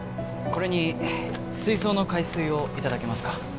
これに水槽の海水をいただけますか？